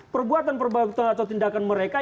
perbuatan atau tindakan mereka